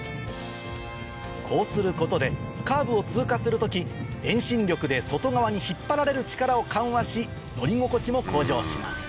こうすることでカーブを通過する時遠心力で外側に引っ張られる力を緩和し乗り心地も向上します